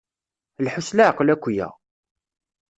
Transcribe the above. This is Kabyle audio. Lḥu s leɛqel akya.